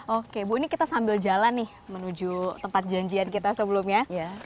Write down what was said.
oke bu ini kita sambil jalan nih menuju tempat janjian kita sebelumnya